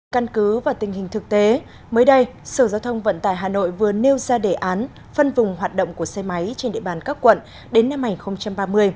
căn cứ và tình hình thực tế mới đây sở giao thông vận tải hà nội vừa nêu ra đề án phân vùng hoạt động của xe máy trên địa bàn các quận đến năm hai nghìn ba mươi